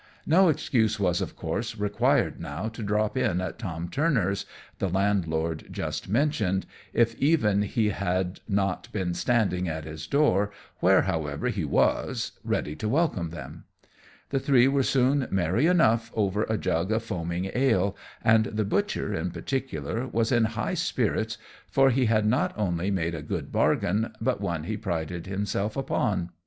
No excuse was, of course, required now to drop in at Tom Turner's, the landlord just mentioned, if even he had not been standing at his door, where, however, he was, ready to welcome them. The three were soon merry enough over a jug of foaming ale; and the butcher, in particular, was in high spirits, for he had not only made a good bargain, but one he prided himself upon.